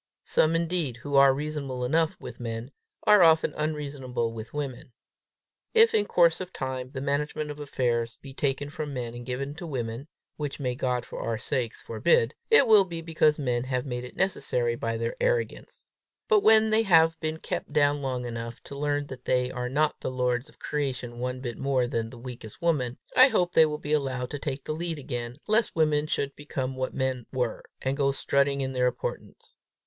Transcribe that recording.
Some, indeed, who are reasonable enough with men, are often unreasonable with women. If in course of time the management of affairs be taken from men and given to women which may God for our sakes forbid it will be because men have made it necessary by their arrogance. But when they have been kept down long enough to learn that they are not the lords of creation one bit more than the weakest woman, I hope they will be allowed to take the lead again, lest women should become what men were, and go strutting in their importance.